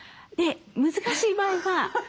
難しい場合は。